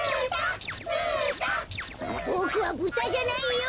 ボクはブタじゃないよ！